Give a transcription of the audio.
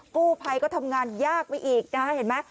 กู้ภัยก็ทำงานยากไปอีกนะฮะเห็นไหม